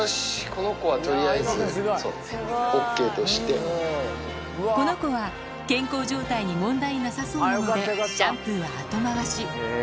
この子は、健康状態に問題なさそうなのでシャンプーは後回し。